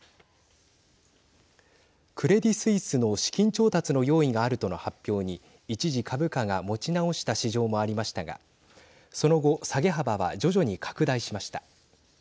クレディ・スイスの資金調達の用意があるとの発表に一時、株価が持ち直した市場もありましたがその後下げ幅は徐々に拡大しました。